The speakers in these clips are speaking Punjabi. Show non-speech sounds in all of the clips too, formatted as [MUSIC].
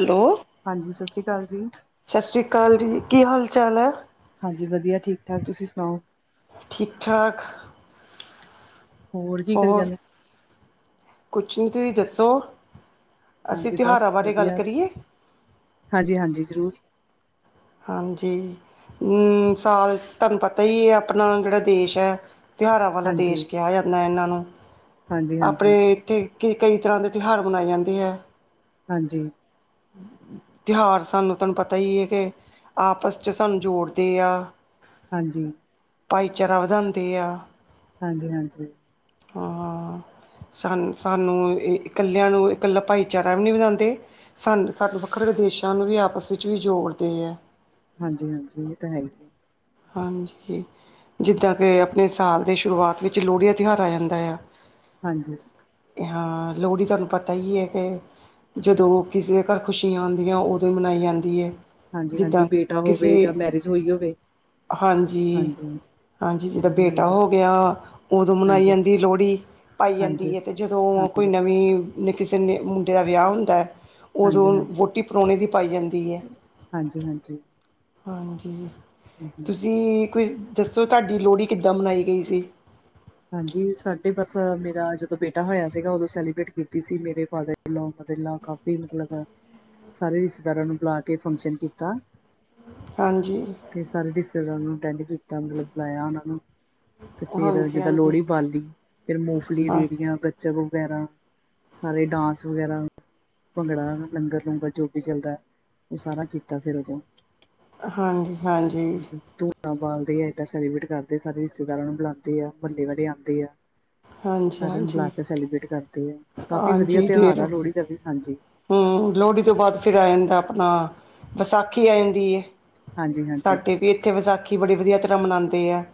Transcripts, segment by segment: ਹੈਲੋ ਹਾਂਜੀ ਸਤਿ ਸ੍ਰੀ ਕਾਲ ਜੀ ਸਤਿ ਸ਼੍ਰੀ ਕਾਲ ਜੀ ਕੀ ਹਾਲ ਚਾਲ ਐ ਹਾਂਜੀ ਵਧੀਆ ਠੀਕ ਠਾਕ ਤੁਸੀਂ ਸੁਣਾਓ ਠੀਕ ਠਾਕ ਹੋਰ ਕੀ ਕਰੀ ਓਰ ਜਾਂਦੇ? ਕੁਛ ਨੀ ਤੁਹੀ ਦੱਸੋ? ਅਸੀਂ ਹਾਂਜੀ ਤਿਉਹਾਰਾਂ ਬਸ ਬਾਰੇ ਗੱਲ ਵਧੀਆ ਕਰੀਏ ਹਾਂਜੀ ਹਾਂਜੀ ਜ਼ਰੂਰ ਹਾਂਜੀ ਹਮ ਸਾਲ ਤੁਹਾਨੂੰ ਪਤਾ ਹੀ ਆਪਣਾ ਕਿਹੜਾ ਦੇਸ਼ ਐ ਤਿਉਹਾਰਾਂ ਵਾਲਾ ਹਾਂਜੀ ਦੇਸ਼ ਕਿਹਾ ਜਾਂਦਾ ਇਹਨਾਂ ਨੂੰ ਹਾਂਜੀ ਹਾਂਜੀ ਆਪਣੇ ਇੱਥੇ ਕਿ ਕਈ ਤਰ੍ਹਾਂ ਦੇ ਤਿਉਹਾਰ ਮਨਾਏ ਜਾਂਦੇ ਐ ਹਾਂਜੀ ਤਿਉਹਾਰ ਸਾਨੂੰ ਤਹਾਨ ਪਤਾ ਹੀ ਏ ਕਿ ਆਪਸ 'ਚ ਸਾਨੂੰ ਜੋੜਦੇ ਆ ਹਾਂਜੀ ਭਾਈਚਾਰਾ ਵਧਾਂਦੇ ਆ ਹਾਂਜੀ ਹਾਂਜੀ ਹਾਂ ਹਾਂ ਸਾਨ ਸਾਨੂੰ ਇਕੱਲਿਆਂ ਨੂੰ ਇਕੱਲਾ ਭਾਈਚਾਰਾ ਵੀ ਨਹੀਂ ਵਧਾਂਦੇ ਸਾਨੂੰ ਸਾਨੂੰ ਵੱਖਰੇ ਦੇਸ਼ਾਂ ਨੂੰ ਵੀ ਆਪਸ ਵਿੱਚ ਵੀ ਜੋੜਦੇ ਆ ਹਾਂਜੀ ਹਾਂਜੀ ਉਹ ਤਾਂ ਹੀ ਐ ਹਾਂਜੀ ਜਿੱਦਾਂ ਕਿ ਆਪਣੇ ਸਾਲ ਦੇ ਸ਼ੁਰੂਆਤ ਵਿੱਚ ਲੋਹੜੀ ਦਾ ਤਿਉਹਾਰ ਆ ਜਾਂਦਾ ਆ ਹਾਂਜੀ ਹਾਂ ਲੋਹੜੀ ਤੁਹਾਨੂੰ ਪਤਾ ਹੀ ਹੈ ਕਿ ਜਦੋਂ ਕਿਸੇ ਦੇ ਘਰ ਖੁਸ਼ੀਆਂ ਆਂਦੀਆਂ ਉਦੋਂ ਹੀ ਮਨਾਈ ਜਾਂਦੀ ਐ ਹਾਂਜੀ ਹਾਂਜੀ ਬੇਟਾ ਹੋਵੇ ਜਾਂ ਮੈਰਿਜ ਹੋਈ ਹੋਵੇ ਹਾਂਜੀ ਹਾਂਜੀ ਹਾਂਜੀ ਜਿੱਦਾਂ ਉਦੋਂ ਬਣਾਈ ਬੇਟਾ ਜਾਂਦੀ। ਹੋ ਗਿਆ ਉਦੋਂ ਮਨਾਈ ਹਾਂਜੀ ਜਾਂਦੀ ਲੋਹੜੀ ਪਾਈ ਹਾਂਜੀ ਜਾਂਦੀ ਹੈ ਤੇ ਜਦੋਂ ਕੋਈ ਹਾਂਜੀ ਨਵੀਂ ਨੇ ਕਿਸੇ ਨੇ ਮੁੰਡੇ ਦਾ ਵਿਆਹ ਹੁੰਦਾ ਐ ਹਾਂਜੀ ਉਦੋਂ ਹਾਂਜੀ [UNINTELLIGIBLE] ਵੋਟੀ ਪਰਾਹਣੇ ਦੀ ਪਾਈ ਜਾਂਦੀ ਐ ਹਾਂਜੀ ਹਾਂਜੀ ਹਮ ਹਮ [INAUDIBLE] ਜੀ ਕੁਝ ਦੱਸੋ ਤੁਹਾਡੀ ਲੋਹੜੀ ਕਿੱਦਾਂ ਮਨਾਈ ਗਈ ਸੀ ਹਾਂਜੀ ਸਾਡੇ ਬਸ ਮੇਰਾ ਜਦੋਂ ਬੇਟਾ ਹੋਇਆ ਸੀਗਾ ਉਦੋਂ ਸੈਲੀਬ੍ਰੇਟ ਕੀਤੀ ਸੀ ਮੇਰੇ ਫਾਦਰ ਲ [UNINTELLIGIBLE] ਪਤੀਲਾਂ ਕਾਫੀ ਮਤਲਬ ਸਾਰੇ ਰਿਸ਼ਤੇਦਾਰਾਂ ਨੂੰ ਬੁਲਾ ਕੇ ਫੰਕਸ਼ਨ ਕੀਤਾ ਹਾਂਜੀ। ਤੇ ਸਾਰੇ ਰਿਸ਼ਤੇਦਾਰਾਂ ਨੂੰ ਅਟੈਂਡ ਕੀਤਾ ਮਤਲਬ ਬੁਲਾਇਆ ਉਹਨਾਂ ਨੂੰ ਤੇ ਫੇਰ ਹਾਂਜੀ ਦਾਂ ਹਾਂਜੀ ਲੋਹੜੀ ਪਾਲੀ ਫਿਰ ਮੂੰਗਫਲੀ, ਹਾਂ ਰੇੜੀਆਂ, ਗੱਚਕ ਵਗੈਰਾ ਸਾਰੇ ਡਾਂਸ ਵਗੈਰਾ ਭੰਗੜਾ ਲੰਗਰ- ਲੂੰਗਰ ਜੋ ਵੀ ਚਲਦਾ ਉਹ ਸਾਰਾ ਕੀਤਾ ਫੇਰ ਜੇ ਹਾਂਜੀ- ਹਾਂਜੀ। ਬਾਲਦੀ ਆ ਏਦਾਂ ਸੈਲੀਬ੍ਰੇਟ ਕਰਦੇ ਸਾਰੇ ਰਿਸ਼ਤੇਦਾਰਾਂ ਨੂੰ ਬੁਲਾਉਂਦੇ ਆ ਮੁਹੱਲੇ ਵਾਲੇ ਆਉਂਦੇ ਆ। ਹਾਂਜੀ ਸਾਰਿਆਂ ਨੂੰ ਬੁਲਾ ਹਾਂਜੀ ਕੇ ਸੈਲੀਬ੍ਰੇਟ ਕਰਦੇ ਆ ਕਾਫੀ ਵਧੀਆ ਤਿਉਹਾਰ ਆ ਲੋਹੜੀ ਦਾ ਵੀ ਹਾਂਜੀ ਹਮ ਲੋਹੜੀ ਤੋਂ ਬਾਅਦ ਫਿਰ ਆ ਜਾਂਦਾ ਆਪਣਾ ਵਿਸਾਖੀ ਆ ਜਾਂਦੀ ਹੈ। ਹਾਂਜੀ ਹਾਂਜੀ ਸਾਡੇ ਵੀ ਇੱਥੇ ਵਿਸਾਖੀ ਬੜੀ ਵਧੀਆ ਤਰ੍ਹਾਂ ਮਨਾਉਂਦੇ ਆ।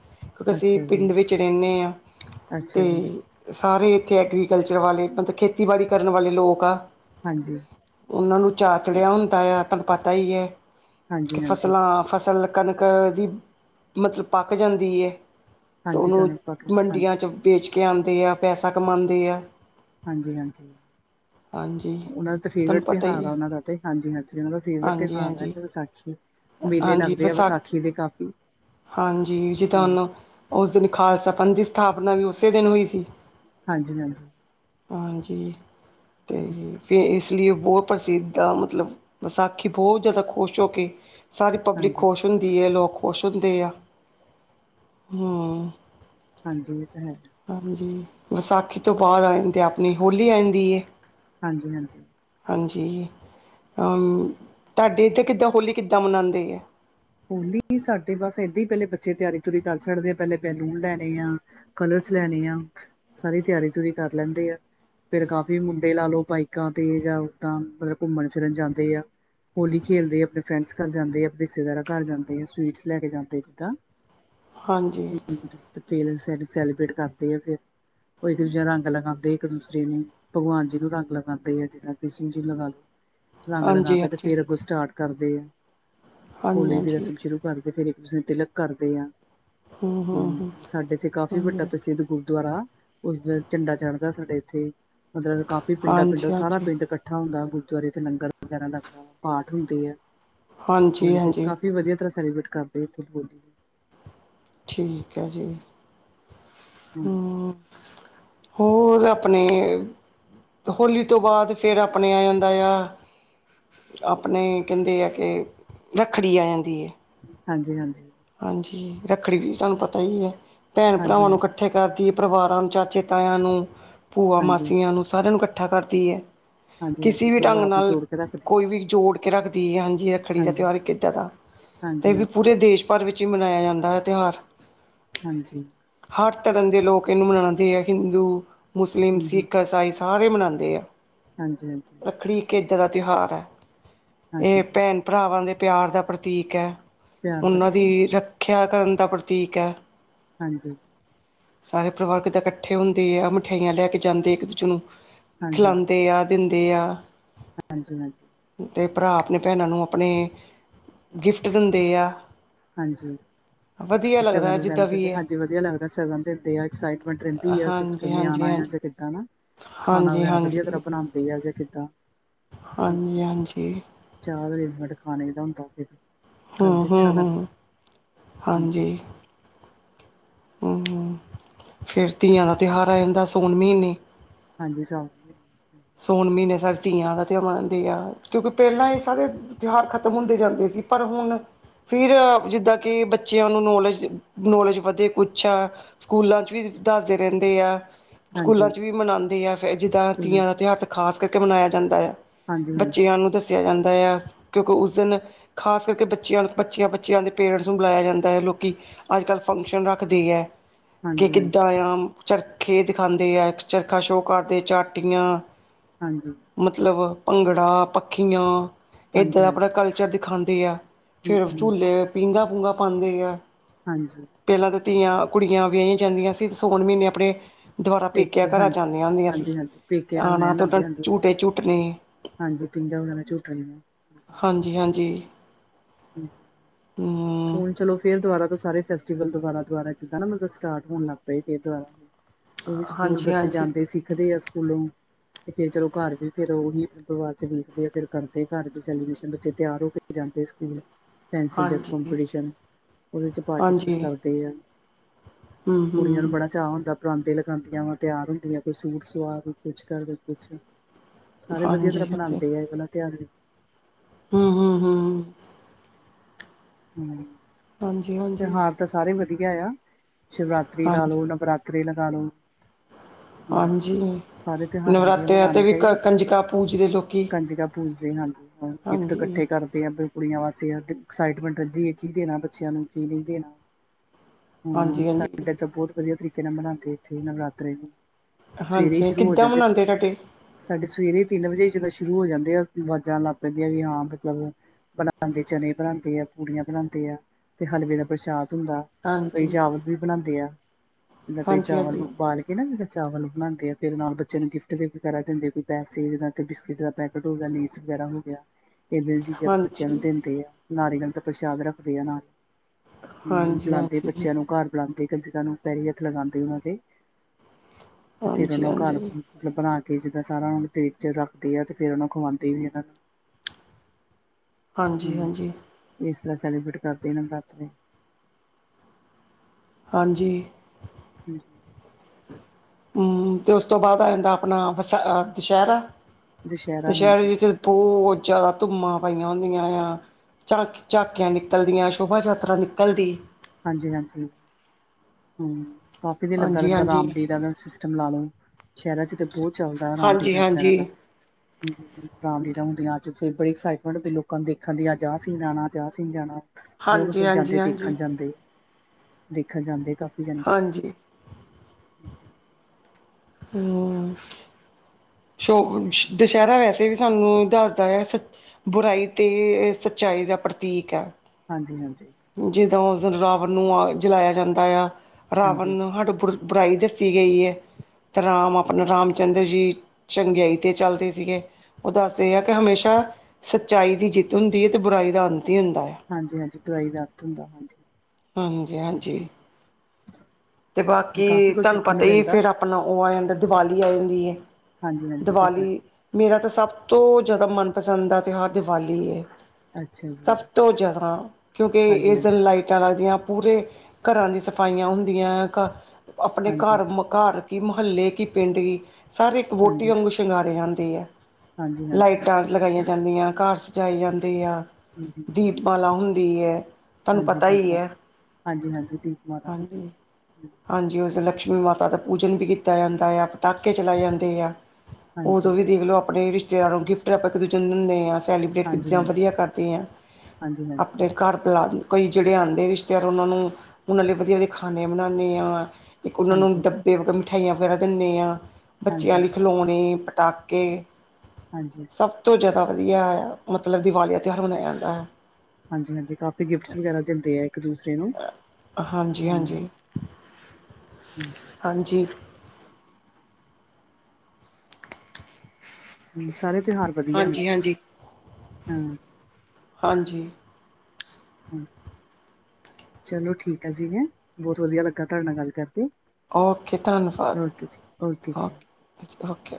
ਅਸੀਂ ਅੱਛਾ ਜੀ ਪਿੰਡ ਵਿੱਚ ਰਹਿੰਦੇ ਹਾਂ। ਅਤੇ ਅੱਛਾ ਜੀ ਸਾਰੇ ਇੱਥੇ ਐਗਰੀਕਲਚਰ ਵਾਲੇ ਮਤਲਬ ਖੇਤੀਬਾੜੀ ਕਰਨ ਵਾਲੇ ਲੋਕ ਆ ਹਾਂਜੀ। ਉਹਨਾਂ ਨੂੰ ਚਾਅ ਚੜਿਆ ਹੁੰਦਾ ਆ ਤੁਹਾਨੂੰ ਪਤਾ ਹੀ ਹੈ ਕਿ ਹਾਂਜੀ ਹਾਂਜੀ ਫਸਲਾਂ-ਫਸਲ ਕਣਕ ਦੀ ਮਤਲਬ ਪੱਕ ਜਾਂਦੀ ਹੈ ਤਾਂ ਹਾਂਜੀ ਉਹਨੂੰ ਕਣਕ ਪੱਕ ਹਾਂਜੀ ਮੰਡੀਆਂ 'ਚ ਵੇਚ ਕੇ ਆਉਂਦੇ ਆ ਪੈਸਾ ਕਮਾਉਂਦੇ ਆ ਹਾਂਜੀ- ਹਾਂਜੀ। ਹਾਂਜੀ। ਉਹਨਾਂ ਦਾ ਤੇ ਤੁਹਾਨੂੰ ਫੇਵਰੇਟ ਪਤਾ ਤਿਉਹਾਰ ਹੀ ਹੈ ਆ ਉਹ ਦਾ ਤੇ ਹਾਂਜੀ- ਹਾਂਜੀ ਉਹ ਦਾ ਫੇਵਰੇਟ ਹਾਂਜੀ ਤਿਉਹਾਰ ਹੈ ਹਾਂਜੀ ਵਿਸਾਖੀ ਮੇਲੇ ਹਾਂਜੀ ਲੱਗਦੇ ਆ ਵਿਸਾਖ ਵਿਸਾਖੀ ਦੇ ਕਾਫੀ ਹਾਂਜੀ ਜਿੱਦਾਂ ਹਮ ਹੁਣ ਉਸ ਦਿਨ ਖਾਲਸਾ ਪੰਥ ਦੀ ਸਥਾਪਨਾ ਵੀ ਉਸੇ ਦਿਨ ਹੋਈ ਸੀ। ਹਾਂਜੀ- ਹਾਂਜੀ। ਹਾਂਜੀ ਤੇ ਫੇਰ ਇਸ ਇਸ ਲਈ ਉਹ ਬਹੁਤ ਪ੍ਰਸਿੱਧ ਆ ਮਤਲਬ ਵਿਸਾਖੀ ਬਹੁਤ ਜ਼ਿਆਦਾ ਖੁਸ਼ ਹੋ ਕੇ ਸਾਰੇ ਪਬਲਿਕ ਹਾਂਜੀ ਖੁਸ਼ ਖੁਸ਼ ਹੁੰਦੀ ਹੈ ਲੋਕ ਖੁਸ਼ ਹੁੰਦੇ ਆ ਹਮ ਹਾਂਜੀ ਇਹ ਤਾਂ ਹੈ। ਹਾਂਜੀ ਵਿਸਾਖੀ ਤੋਂ ਬਾਅਦ ਆਦੇ ਆਪਣੀ ਹੋਲੀ ਆ ਜਾਂਦੀ ਹਾਂਜੀ- ਹਾਂਜੀ। ਹਾਂਜੀ ਅ ਤੁਹਾਡੇ ਇੱਥ ਕਿੱਦਾਂ ਹੋਲੀ ਕਿੱਦਾਂ ਮਨਾਉਂਦੇ ਆ ਹੋਲੀ ਸਾਡੇ ਬਸ ਇਦੇ ਹੀ ਪਹਿਲੇ ਬੱਚੇ ਤਿਆਰੀ ਤਿਓਰੀ ਕਰ ਛ ਡਦੇ ਆ ਪਹਿਲੇ ਬੈਲੂਨ ਲੈਣੇ ਆ ਕਲਰਸ ਲੈਣੇ ਆ ਸਾਰੀ ਤਿਆਰੀ ਤੂਰੀ ਕਰ ਲੈਂਦੇ ਆ ਫਿਰ ਕਾਫੀ ਮੁੰਡੇ ਲਾ ਲਓ ਬਾਈਕਾਂ ਤੇ ਜਾਂ ਉੱਦਾਂ ਮਤਲਬ ਘੁੰਮਣ ਫਿਰਨ ਜਾਂਦੇ ਆ। ਹੋਲੀ ਖੇਡਦੇ ਆਪਣੇ ਫਰੈਂਡਸ ਜਾਂਦੇ ਆਪਣੇ ਰਿਸ਼ਤੇਦਾਰਾਂ ਘਰ ਜਾਂਦੇ ਆ ਸਵੀਟਸ ਲੈ ਕੇ ਜਾਂਦੇ ਆ ਜਿੱਦਾਂ ਹਾਂਜੀ ਹ ਸੈਲੀਬ੍ਰੇਟ ਕਰਦੇ ਆ ਫਿਰ ਉਹ ਇੱਕ ਦੂਜੇ ਰੰਗ ਲਗਾਉਂਦੇ ਇੱਕ ਦੂਸਰੇ ਨੂੰ ਭਗਵਾਨ ਜੀ ਨੂੰ ਰੰਗ ਲਗਾਉਂਦੇ ਆ ਜਿੱਦਾਂ ਕ੍ਰਿਸ਼ਨ ਜੀ ਲਗਾ ਲੋ। ਰੰਗ ਲਗਾ ਹਾਂਜੀ ਕੇ ਤੇ ਹਾਂਜੀ ਫੇਰ ਅੱਗੋਂ ਸਟਾਰਟ ਕਰਦੇ ਆ। ਹਾਂਜੀ ਹੋਲੀ ਦੀ ਹਾਂਜੀ ਰਸਮ ਸ਼ੁਰੂ ਕਰਦੇ, ਫੇਰ ਇੱਕ ਦਸੇ ਨੇ ਤਿਲਕ ਕਰਦੇ ਆ। ਹਮ ਸਾਡੇ ਇੱਥੇ ਕਾਫ਼ੀ ਵੱਡਾ ਹਮ ਪ੍ਰਸਿੱਧ ਗੁਰਦੁਆਰਾ ਉਸ ਦਿ ਝੰਡਾ ਚੜ੍ਹਦਾ ਸਾਡੇ ਇੱਥੇ ਮਤਲਬ ਕਾਫੀ ਪਿੰਡਾਂ-ਪਿੰਡਾਂ ਹਾਂਜੀ ਹਾਂਜੀ ਸਾਰਾ ਹਾਂਜੀ ਪਿੰਡ ਇਕੱਠ ਇਕੱਠਾ ਹੁੰਦਾ ਗੁਰਦੁਆਰੇ ਤੇ ਲੰਗਰ ਵਗੈਰਾ ਲੱਗਦਾ ਵਾ ਪਾਠ ਹੁੰਦੇ ਆ। ਹਾਂਜੀ- ਹਾਂਜੀ। ਵੀ ਵਧੀਆ ਤਰ੍ਹਾਂ ਸੈਲੀਬ੍ਰਟ ਕਰਦੇ ਇੱਥੇ ਹੋਲੀ ਠੀਕ ਹੈ ਜੀ ਹ ਹੋਰ ਆਪਣੇ ਅਤੇ ਹੋਲੀ ਤੋਂ ਬਾਅਦ, ਫਿਰ ਆਪਣੇ ਆ ਜਾਂਦਾ ਆ ਆਪਣੇ ਕਹਿੰਦੇ ਆ ਕਿ, ਰੱਖੜੀ ਆ ਜਾਂਦੀ ਹੈ। ਹਾਂਜੀ, ਹਾਂਜੀ ਹਾਂਜੀ ਰੱਖੜੀ ਵੀ ਸਨੂੰ ਪਤਾ ਹੀ ਹੈ। ਭੈਣ ਹਾਂਜੀ ਭਰਾਵਾਂ ਹਾਂ ਨੂੰ ਇਕੱਠੇ ਕਰਦੀ ਹੈ ਪਰਿਵਾਰਾਂ ਨੂੰ, ਚਾਚੇ, ਤਾਇਆਂ ਨੂੰ ਭੂਆ, ਹਾਂਜੀ ਮਾਸੀਆਂ ਨੂੰ ਸਾਰਿਆਂ ਨੂੰ ਇਕੱਠਾ ਕਰਦੀ ਹੈ। ਕਿਸੇ ਹਾਂਜੀ-ਹਾਂਜੀ ਵੀ ਢੰਗ ਪਰਿਵਾਰ ਨੂੰ ਨਾਲ ਜੋੜ ਕੇ ਰੱਖਦੀ ਹੈ ਕੋਈ ਵੀ ਜੋੜ ਕੇ ਰੱਖਦੀ ਹੈ। ਹਾਂਜੀ ਰੱਖੜੀ ਦਾ ਹਾਂਜੀ। ਤਿਉਹਾਰ ਏਦਾਂ ਦਾ ਤੇ ਇਹ ਵੀ ਹਾਂਜੀ-ਹਾਂਜੀ ਪੂਰੇ ਦੇਸ਼ ਭਰ ਵਿੱਚ ਹੀ ਮਨਾਇਆ ਜਾਂਦਾ ਹੈ ਤਿਉਹਾਰ ਹਾਂਜੀ ਹਰ ਧਰਮ ਦੇ ਲੋਕ ਇਹਨੂੰ ਮਨਾਦੇ ਹੈ। ਹਿੰਦੂ, ਮੁਸਲਿਮ, ਹੂੰ ਸਿੱਖ ਇਸਈਾਈ ਸਾਰੇ ਮਨਾਂਦੇ ਆ ਹਾਂਜੀ ਹਾਂਜੀ ਰੱਖੜੀ ਇੱਕ ਇੱਦਾਂ ਦਾ ਤਿਉਹਾਰ ਹੈ ਹਾਂਜੀ ਇਹ ਹਾਂਜੀ ਭੈਣ ਭਰਾਵਾਂ ਦੇ ਪਿਆਰ ਦਾ ਪ੍ਰਤੀਕ ਹੈ ਧਿਆਨ ਦਾ ਉਹਨਾਂ ਤੁ ਦੀ ਰੱਖਿਆ ਕਰਨ ਦਾ ਪ੍ਰਤੀਕ ਹੈ। ਹਾਂਜੀ ਸਾਰੇ ਪਰਿਵਾਰ ਕਿਤੇ ਇਕੱਠੇ ਹੁੰਦੇ ਆ ਮਿਠਿਆਈਆਂ ਲੈ ਕੇ ਜਾਂਦੇ ਇੱਕ ਦੂਜੇ ਨੂੰ ਖਿਲਾਂਦੇ ਆ ਦਿੰਦੇ ਆ ਹਾਂਜੀ ਹਾਂਜੀ ਅਤੇ ਭਰਾ ਆਪਣੇ ਭੈਣਾਂ ਨੂੰ ਆਪਣੇ ਗਿਫਟ ਦਿੰਦੇ ਆ ਹਾਂਜੀ ਵਧੀਆ ਲੱਗਦਾ ਸ਼ਗਨ ਵਗੈਰਾ ਜਿੱਦਾਂ ਦਿੰਦੇ ਵੀ ਹੈ ਹਾਂਜੀ ਵਧੀਆ ਲੱਗਦਾ ਸ਼ਗਨ ਦਿੰਦੇ ਆ ਐਕਸਾਈਟਮੈਂਟ ਰਹਿੰਦੀ ਆ ਸਿਸਟਰ ਹਾਂਜੀ ਨੇ ਆਣਾ ਹਾਂਜੀ ਆ ਹਾਂਜੀ ਜਾਂ ਹਨਾ ਖਾਣਾ ਹਾਂਜੀ ਵਗੈਰਾ ਹਾਂਜੀ ਵਧੀਆ ਤਰ੍ਹਾਂ ਬਣਾਦੀ ਆ ਜੇ ਕਿੱਦਾਂ ਹਾਂਜੀ ਹਾਂਜੀ ਚਾਹ ਦੇ ਵਡ ਖਾਣੇ ਦਾ ਹੁੰਦਾ ਫਿਰ ਹੂੰ ਕਰਦੇ ਹੂੰ ਅੱਛਾ ਹੂੰ ਲੱਗਦਾ ਹਾਂਜੀ ਹਮ ਫਿਰ ਤੀਆਂ ਦਾ ਤਿਉਹਾਰ ਆ ਜਾਂਦਾ ਸੌਣ ਮਹੀਨੇ ਹਾਂਜੀ ਸਭ ਸੋਨ ਮਹੀਨੇ ਸਾਡ ਤੀਆਂ ਦਾ ਤਉਹਾਰ ਮਨੋਦੇ ਆ ਕਿਉਂਕਿ ਪੈਲਾਂ ਇਹ ਸਾਰੇੇ ਤਿਉਹਾਰ ਖਤਮ ਹੁੰਦੇ ਜਾਂਦੇ ਸੀ ਪਰ ਹੁਣ ਫਿਰ ਜਿੱਦਾਂ ਕਿ ਬੱਚਿਆਂ ਨੂੰ ਨੌਲੇਜ ਨੌਲੇਜ ਵਧੇ ਕੁਛ ਆ ਸਕੂਲਾਂ ਚ ਵੀ ਦੱਸਦੇ ਰਹਿੰਦੇ ਆ ਸਕੂਲਾਂ ਹਾਂਜੀ ਚ ਵੀ ਮਨੋਦੇ ਆ ਫਿਰ ਜਿੱਦਾਂ ਸਕੂਲਾਂ ਤੀਆਂ ਚ ਦਾ ਤਿਉਹਾਰ ਖ਼ਾਸ ਕਰਕੇ ਮਨਾਇਆ ਜਾਂਦਾ ਆ ਹਾਂਜੀ ਹਾਂਜੀ ਬੱਚਿਆਂ ਨੂੰ ਦੱਸਿਆ ਜਾਂਦਾ ਆ ਕਿਉਂਕਿ ਉਸ ਦਿਨ ਖਾਸ ਕਰਕੇ ਬੱਚਿਆਂ ਬੱਚਿਆਂ ਬੱਚਿਆਂ ਦੇ ਪੇਰੈਂਟਸ ਨੂੰ ਬੁਲਾਇਆ ਜਾਂਦਾ ਹੈ। ਲੋਕੀ ਅਜ ਕੱਲ੍ਹ ਫੰਕਸ਼ਨ ਰੱਖਦੀ ਹੈ। ਕਿ ਹਾਂਜੀ ਹਾਂਜੀ ਕਿੱਦਾਂ ਆ ਚਰਖੇ ਦਿਖਾਦੇ ਆ ਚਰਖਾ ਸ਼ੋਅ ਕਰਦੇ ਚਾਟੀਆਂ ਹਾਂਜੀ ਮਤਲਬ ਭੰਗੜਾ, ਪੱਖੀਆਂ ਏਦਾਂ ਦਾ ਹਾਂਜੀ ਆਪਣਾ ਹਾਂਜੀ ਕਲਚਰ ਦਿਖਾਂਦੇ ਆ ਹੂੰ ਫੇਰ ਹੂੰ ਝੂਲੇ ਪੀਂਘਾ-ਪੂੰਘਾ ਪਾਉਂਦੇ ਆ ਹਾਂਜੀ ਪੈਲਾਂ ਤਾਂ ਧੀਆਂ ਕੁੜੀਆਂ ਵਿਆਹੀਆਂ ਜਾਂਦੀਆਂ ਸੀ ਸੋਨ ਮਹੀਨੇ ਆਪਣੇ ਦੁਬਾਰਾ ਪੇਕਿਆ ਪੇਕੇ ਘਰਾਂ ' ਚ ਹਾਂਜੀ ਆਦੀਆਂ ਹੁੰਦੀਆਂ ਸੀ ਹਾਂਜੀ ਹਾਂਜੀ ਪੇਕੇ ਆ ਨਾਲ ਵੀ ਆਉਣਾ ਰੈਨ ਤੇ ਉਹਨਾਂ ਆਉਦੇ ਸੀ ਝੂਟੇ ਝੂਟਣੇ ਹਾਂਜੀ ਪੀਘਾ ਵਗੈਰਾ ਝੂਟਣੀਆ ਹਾਂਜੀ ਹਾਂਜੀ ਹਮ ਹੁਣ ਚਲੋ ਫੇਰ ਦੁਬਾਰਾ ਤੋਂ ਸਾਰੇ ਫਿਰ [UNINTELLIGIBLE] ਦੁਬਾਰਾ ਦੁਬਾਰਾ ਜਿੱਦਾਂ ਨਾ ਮਤਲ ਸਟਾਰਟ ਹੋਣ ਲੱਗ ਪਏ ਫੇਰ ਦੁਬਾਰਾ ਉਹ ਵੀ ਸਕੂਲ ਹਾਂਜੀ ਬੱਚੇ ਹਾਂਜੀ ਜਾਂਦੇ ਸਿੱਖਦੇ ਆ ਸਕੂਲੋਂ ਤੇ ਫੇਰ ਚਲੋ ਘਰ ਵੀ ਫੇਰ ਉਹੀ ਆਪਣੇ ਪਰਿਵਾਰ ਚ ਦੇਖਦੇ ਆ ਫੇਰ ਕਰਦੇ ਘਰ ਵੀ ਸੈਲੀਬ੍ਰੇਸ਼ਨ ਬੱਚੇ ਤਿਆਰ ਹੋ ਕੇ ਜਾਂਦੇ ਸਕੂਲ ਫੈਂਸੀ ਡਰੈੱਸ ਹਾਂਜੀ ਕੰਪੀਟੀਸ਼ਨ ਉਹਦੇ 'ਚ ਪਾਰਟੀਸਪੇਟ ਹਾਂਜੀ ਕਰਦੇ ਆ ਹਮ ਕੁੜੀਆਂ ਨੂੰ ਹਮ ਬੜਾ ਚਾਅ ਹੁੰਦਾ ਪਰਾਂਦੇ ਲਗਾਂਦੀਆਂ ਵਾ ਤਿਆਰ ਹੁੰਦੀਆਂ ਕੋਈ ਸੂਟ ਸਵਾ ਕਦੀ ਕੁਛ ਕਰ ਕਦੀ ਕੁਛ ਸਾਰੇ ਵਧੀਆ ਹਾਂਜੀ ਤਰ੍ਹਾਂ ਹਾਂਜੀ ਮਨਾਂਦੇ ਐ ਇਹ ਵਲਾ ਤਿਉਹਾਰ ਵੀ ਹਮ ਹਮ ਹਮ ਹਮ ਹਾਂਜੀ ਹਾਂਜੀ ਤ ਸਾਰੇ ਵਧੀਆ ਆ ਸ਼ਿਵਰਾਤਰੀ ਲਾ ਹਾਂਜੀ ਲਓ ਨਵਰਾਤਰੇ ਲਗਾ ਲੋ ਹਮ ਹਾਂਜੀ ਸਾਰੇ ਤਿਉਹਾਰ ਵਧੀਆ ਨਵਰਾਤਿਆਂ ਤੇ ਮਨਾਉਣੇ ਵੀ ਕ ਚਾਹੀਦੇ ਕੰਜਕਾਂ ਪੂਜਦੇ ਲੋਕੀ ਕੰਜਕਾ ਪੂਜਦੇ ਹਾਂਜੀ ਹਮ ਗਿਫਟ ਹਾਂਜੀ, ਕੱਠੇ ਕਰਦੇ ਆ ਫਰ ਕੁੜੀਆਂ ਵਾਸਤੇ [UNINTELLIGIBLE] ਐਕਸਾਈਟਮੈਂਟ ਕਧੀ ਕੀ ਦੇਣਾ ਬੱਚਿਆਂ ਨੂੰ ਕੀ ਨਹੀਂ ਦੇਣਾ ਹਮ ਹਾਂਜੀ, ਹਾਂਜੀ, ਸਾਡੇ ਤਾਂ ਬਹੁਤ ਵਧੀਆ ਤਰੀ [UNINTELLIGIBLE] ਮਨਾਂਨਦੇ ਇੱਥੇ ਨਵਰਾਤਰੇ ਨੂੰ ਹਾਂਜੀ ਕਿੱਦਾਂ ਮਨਾਂਦੇ ਤਾਡੇ ਸਾਡੇ ਸਵੇਰੇ ਤਿੰਨ ਵਜੇ ਜਦੋਂ ਸ਼ੁਰੂ ਹੋ ਜਾਂਦੇ ਆ ਵਾਜਾ ਆਨ ਲਗ ਪੈਂਦੀ ਆ ਕੀ ਹਾਂ ਬੱਚਿਆਂ ਦੀਆਂ ਬਣਾਂਦੇ ਚਣੇ ਬਣਾਂਦੇ ਆ ਪੂੜੀਆਂ ਬਣਾਂਦੇ ਆ ਤੇ ਹਲਵੇ ਦਾ ਪ੍ਰਸ਼ਾਦ ਹੁੰਦਾ ਕਈ ਹਾਂਜੀ, ਚਾਵਲ ਵੀ ਬਣਾਂਦੇ ਆ ਜਾਂ ਕਈ ਹਾਂਜੀ, ਚਾਵਲ ਹਾਂਜੀ, ਉਬਾਲ ਇਹਨਾਂ ਜ ਚਾਵਲ ਬਨਾਂਦੇ ਆ ਫੇਰ ਨਾਲ ਬੱਚਿਆਂ ਨੂੰ ਗਿਫਟ [UNINTELLIGIBLE] ਵਗੈਰਾ ਦਿੰਦੇ ਬੀ ਪੈਸੇ ਜਿਦਾ ਕੀ ਬਿਸਕਿਟ ਦਾ ਪੈ ਜਾ [UNINTELLIGIBLE] ਲੀਸ ਵਗੈਰਾ ਹੋ ਗਿਆ ਇਦਾਂ ਦੀ ਚੀਜ਼ਾਂ ਬੱਚਿਆਂ ਹਾਂਜੀ, ਹਾਂਜੀ, ਨੂੰ ਦਿੰਦੇ ਆ ਨਾਰੀਅਲ ਦਾ ਪ੍ਰਸ਼ਾਦ ਰੱਖਦੇ ਆ ਨਾਲ ਹਮ ਹਾਂਜੀ। ਬੁਲਾਂਦੇ ਹਾਂਜੀ, ਬੱਚਿਆਂ ਨੂੰ ਘਰ ਬੁਲਾਂਦੇ ਕੱਜਕਾਂ ਨੂੰ ਪੈਰੀ ਹੱਥ ਲਗਾਂਦੇ ਉਹਨਾਂ ਦੇ ਤੇ ਫਿਰ ਹਾਂਜੀ, ਉਹਨਾਂ ਨੂੰ ਘਰ ਮਤਬ ਬਣਾ ਕੇ ਜਿੱਦਾਂ ਸਾਰਾ ਉਹ [UNINTELLIGIBLE] ਚ ਰੱਖਦੇ ਆ ਤੇ ਫੇਰ ਉਹਨੂੰ ਖਵਾਂਦੇ ਵੀ ਇਹਨਾਂ ਨੂੰ ਹਾਂਜੀ ਹਮ ਹਾਂਜੀ ਇਸ ਤਰ੍ਹਾਂ ਸੈਲੀਬ੍ਰੇਟ ਕਰਦੇ ਨੇ ਬਰਥਡੇ ਹਾਂਜੀ ਹਮ [INAUDIBLE] ਹਮ ਤੇ ਉਸ ਤੋਂ ਬਾਅਦ ਆ ਜਾਂਦਾ ਆਪਣਾ ਦਸ ਅਅ ਦੁਸਹਿਰਾ ਦੁਸਹਿਰਾ ਦੁਸਹਿਰੇ ਹਾਂਜੀ ਵਿੱਚ ਬਹੁਤ ਜਿਆਦਾ ਧੂਮਾਂ ਪਈਆਂ ਹੁੰਦੀਆਂ ਆ ਝਾਕ ਝਾਕੀਆਂ ਨਿਕਲਦੀਆਂ ਸ਼ੋਭਾ ਯਾਤਰਾ ਨਿਕਲਦੀ ਹਾਂਜੀ ਹਾਂਜੀ ਹਮ ਕਾਪੀ ਤੇ ਲੱਗਾ ਹਾਂਜੀ, ਰਹਿੰਦਾ ਰਾਮ [UNINTELLIGIBLE] ਹਾਂਜੀ। [UNINTELLIGIBLE] ਲਾ ਲਓ ਸ਼ਹਿਰਾਂ ਚ ਤੇ ਬਹੁਤ ਚੱਲਦਾ ਹਾਂਜੀ, ਰਾਮਲੀਲਾ ਵਗੈਰਾ ਹਾਂਜੀ, ਦਾ ਰਾਮਲੀਲਾ ਹੁੰਦੀਆਂ ਜੀਥੇ ਬੜੀ ਐਕਸਾਈਟਮੈਂਟ ਹੁੰਦੀ ਲੋਕਾਂ ਨੂੰ ਦੇਖਣ ਦੀ ਅੱਜ ਆਹ ਸੀਨ ਆਣਾ ਅੱਜ ਆਹ ਸੀਨ ਜਾਣਾ ਬਹੁ ਹਾਂਜੀ, ਮਤਲਬ ਹਾਂਜੀ, ਜਾਂਦੇ ਦੇਖਣ ਹਾਂਜੀ, ਜਾਂ ਦੇਖਣ ਜਾਂਦੇ ਆ ਕਾਫੀ ਜਣੇ ਹਾਂਜੀ। ਹਮ [UNINTELLIGIBLE] ਦੁਸਹਿਰਾ ਵੈਸੇ ਵੀ ਸਾਨੂੰ ਦੱਸਦਾ ਹੈ ਬੁਰਾਈ ਤੇ ਅ ਸੱਚਾਈ ਦਾ ਪ੍ਰਤੀਕ ਐ ਹਾਂਜੀ ਹਾਂਜੀ ਜਦੋਂ ਉਸ ਦਿਨ ਰਾਵਣ ਨੂੰ ਆ ਜਲਾਇਆ ਜਾਂਦਾ ਆ ਰਾਵਣ ਹਾਂਜੀ, ਨੂੰ [UNINTELLIGIBLE] ਬੁਰਾਈ ਦੱਸੀ ਗਈ ਏ। ਤਾਂ ਰਾਮ ਆਪਣੇ, ਰਾਮ ਚੰਦਰ ਜੀ ਚੰਗਿਆਈ 'ਤੇ ਚੱਲਦੇ ਸੀਗੇ। ਓ ਦੱਸਦੇ ਆ, ਕਿ ਹਮੇਸ਼ਾ ਸੱਚਾਈ ਦੀ ਜਿੱਤ ਹੁੰਦੀ ਏ, ਤੇ ਬੁਰਾਈ ਦਾ ਅੰਤ ਈ ਹੁੰਦਾ ਆ। ਹਾਂਜੀ -ਹਾਂਜੀ ਬੁਰਾਈ ਦਾ ਅੰਤ ਹੁੰਦਾ, ਹਾਂਜੀ। ਹਾਂਜੀ -ਹਾਂਜੀ। ਤੇ ਜੀ ਬਾਕੀ ਕਾਫੀ ਕੁਝ ਤੁਹਾਨੂੰ ਸਿੱਖਣ ਨੂੰ ਪਤਾ ਹੀ ਏ, ਮਿਲਦਾ ਫਿਰ ਆਪਣਾ ਉਹ ਆ ਜਾਂਦਾ, ਦੀਵਾਲੀ ਆ ਜਾਂਦੀ ਏ। ਹਾਂਜੀ ਹਾਂਜੀ ਬਿਲਕੁਲ। ਏ, ਮੇਰਾ ਤਾਂ ਸਭ ਤੋਂ ਜ਼ਿਆਦਾ ਮਨਪਸੰਦ ਦਾ ਤਿਉਹਾਰ ਦੀਵਾਲੀ ਏ। ਅੱਛਾ ਜੀ। ਸਭ ਤੋਂ ਜ਼ਿਆਦਾ, ਕਿਉਂਕਿ ਇਸ ਹਾਂਜੀ-ਹਾਂਜੀ, ਲਾਈਟਾਂ ਲੱਗਦੀਆਂ ਪੂਰੇ ਘਰਾਂ ਦੀਆ ਸਫਾਈਆਂ ਹੁੰਦੀਆਂ, ਘ ਆਪਣੇ ਹਾਂਜੀ, ਘਰ ਘਰ ਕੀ, ਮੁਹੱਲੇ ਕੀ, ਪਿੰਡ ਕੀ, ਸਾਰੇ ਇੱਕ ਵੋਟੀ ਹਾਂਜੀ, ਵਾਂਗੂ ਸ਼ਿੰਗਾਰੇ ਜਾਂਦੇ ਆ। ਲਾਈਟਾਂ ਹਾਂਜੀ-ਹਾਂਜੀ। ਲਗਾਈਆਂ ਜਾਂਦੀਆਂ, ਘਰ ਸਜਾਏ ਜਾਂਦੇ ਆ। ਦੀਪਮਾਲਾ ਹੁੰਦੀ ਐ, ਤੁਹਾਨੂੰ ਪਤਾ ਈ ਐ। ਹਾਂਜੀ- ਹਾਂਜੀ ਦੀਪ ਮਾਲਾ ਹੁੰਦੀ ਏ। ਹਾਂਜੀ, ਉਸ ਦਿਨ ਲਕਸ਼ਮੀ ਮਾਤਾ ਦਾ ਪੂਜਨ ਵੀ ਕੀਤਾ ਜਾਂਦਾ ਆ, ਪਟਾਕੇ ਚਲਾਏ ਜਾਂਦੇ ਆ। ਉਦੋਂ ਹਾਂਜੀ, ਵੀ ਦੇਖਲੋ ਆਪਣੇ ਰਿਸ਼ਤੇਾਰ ਨੂੰ ਗਿਫਟ ਆਪਾਂ ਇੱਕ ਦੂਜੇ ਨੂੰ ਦਿੰਦੇ ਆ। ਸੈਲੀਬ੍ਰੇਟ ਚੀਜਾਂ ਹਾਂਜੀ-ਹਾਂਜੀ, ਵੱਧੀਆ ਕਰਤਿਆ ਹਾਂਜੀ-ਹਾਂਜੀ, ਆਪਣੇ ਘਰ ਬੁਲਾ ਕਈ ਜਿਹੜੇ ਆਂਦੇ ਰਿਸ਼ਤੇਦਾਰ, ਉਹਨਾਂ ਨੂੰ ਉਹਨਾਂ ਲਈ ਵੱਧੀਆ -ਵੱਧੀਆ ਖਾਣੇ ਬਣਾਦੇ ਆ, ਇੱਕ ਉਹਨਾਂ ਨੂੰ ਹਾਂਜੀ। ਡੱਬ ਫੇਰ ਆਪਾ ਮਿਠਾਈਆਂ ਵਗੈਰਾ ਦਿੰਦੇ ਆ, ਬੱਚੇਆਂ ਹਾਂਜੀ, ਲਈ ਖਲੌਣੇ, ਪਟਾਕੇ ਹਾਂਜੀ। ਸਭ ਤੋਂ ਜ਼ਿਆਦਾ ਵਧੀਆ ਆ, ਮਤਲਬ ਦੀਵਾਲੀ ਦਾ ਤਿਉਹਾਰ ਮਨਾਇਆ ਜਾਂਦਾ। ਹਾਂਜੀ -ਹਾਂਜੀ ਕਾਫੀ ਗਿਫਟਸ ਵਗੈਰਾ ਦਿੰਦੇ ਆ। ਇੱਕ ਦੂਸਰੇ ਨੂੰ ਹਾਂਜੀ ਹਾਂ- ਹਾਂਜੀ ਹ ਹਾਂਜੀ। ਹਮ ਸਾਰੇ ਤਿਹਾਰ ਵੱਧੀਆ ਨੇ ਹਾਂਜੀ ਹਾਂਜੀ ਹਾ। ਹਾਂਜੀ। ਹ ਚਲੋ ਠੀਕ ਐ ਜੀ, ਬੋਤ ਵੱਧੀਆ ਲੱਗਾ ਤੁਹਾਡੇ ਨਾਲ ਗੱਲ ਕਰਕੇ। ਓਕੇ ਧਨਵਾਦ, ਓਕੇ ਜੀ, ਓਕੇ- ਜੀ। Okay -okay.